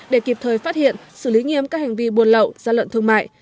để kịp thời phát hiện xử lý nghiêm các hành vi buôn lậu gian lận thương mại